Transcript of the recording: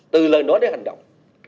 từ lời nói đến hành động